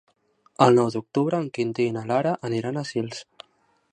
El nou d'octubre en Quintí i na Lara aniran a Sils.